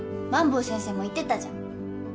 萬坊先生も言ってたじゃん。